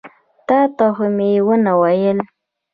تا ته خو مې ونه ویل.